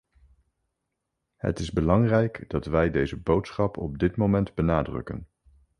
Het is belangrijk dat wij deze boodschap op dit moment benadrukken.